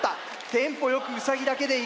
テンポよくウサギだけでいく。